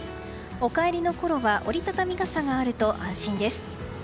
お帰りのころは折り畳み傘があると安心です。